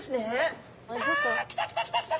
あ来た来た来た来た！